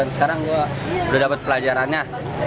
sekarang gue udah dapet pelajarannya